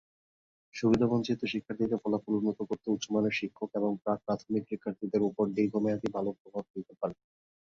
সুবিধাবঞ্চিত শিক্ষার্থীদের ফলাফল উন্নত করতে উচ্চমানের শিক্ষক এবং প্রাক-প্রাথমিক শিক্ষার্থীদের উপর দীর্ঘমেয়াদী ভালো প্রভাব ফেলতে পারে।